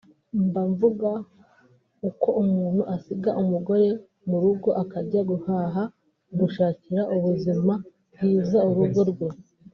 "Mba mvuga uko umuntu asiga umugore mu rugo akajya guhaha mu gushakira ubuzima bwiza urugo rwe